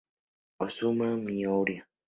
Osamu Miura